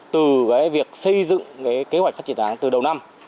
từ việc xây dựng kế hoạch phát triển đảng từ đầu năm